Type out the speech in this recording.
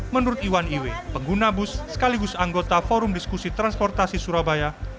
menurut iwan iwe pengguna bus sekaligus anggota forum diskusi transportasi surabaya